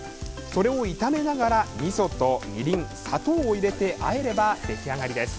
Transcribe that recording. それを炒めながらみそとみりん、砂糖を入れてあえれば出来上がりです。